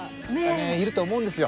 いると思うんですよ。